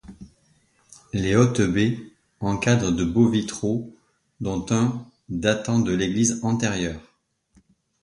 Les hautes baies encadrent de beaux vitraux dont un datant de l'église antérieure.